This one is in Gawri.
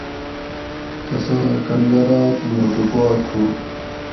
تساۤں کھنڈرات موٹو پا تھو